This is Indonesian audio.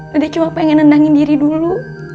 dedeh cuma pengen nendangin diri dulu